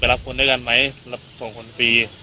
รับคนด้วยกันไหมรับส่งคนฟรี